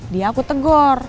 dia aku tegor